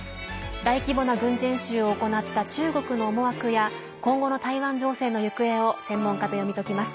大規模な軍事演習を行った中国の思惑や今後の台湾情勢の行方を専門家と読み解きます。